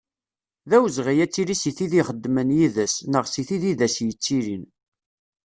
D awezɣi ad tili si tid ixeddmen yid-s, neɣ si tid i d as-yettilin.